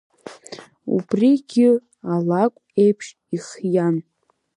Убрыгьы алакә еиԥш ихиан.